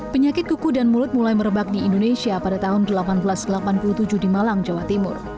penyakit kuku dan mulut mulai merebak di indonesia pada tahun seribu delapan ratus delapan puluh tujuh di malang jawa timur